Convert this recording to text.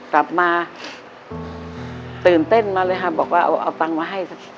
กลับมาตื่นเต้นมาเลยค่ะบอกว่าเอาตังค์มาให้สัก